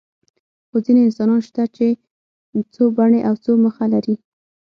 خو ځینې انسانان شته چې څو بڼې او څو مخه لري.